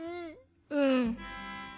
うん。